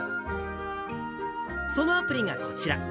そのアプリがこちら。